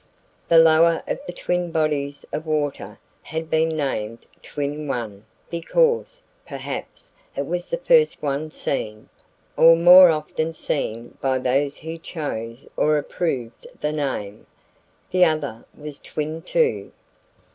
The lower of the twin bodies of water had been named Twin One because, perhaps, it was the first one seen, or more often seen by those who chose or approved the name; the other was Twin Two.